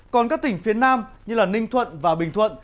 còn các tỉnh phía nam như ninh thuận và bình thuận